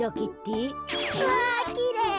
うわきれい。